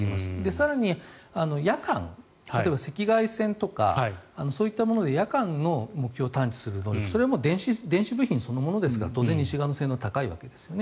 更に、夜間、例えば赤外線とかといったもので夜間の目標を探知する能力それは電子部品そのものですから当然、西側の性能は高いわけですね。